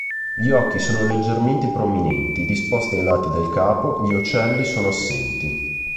Gli occhi sono leggermente prominenti, disposti ai lati del capo, gli ocelli sono assenti.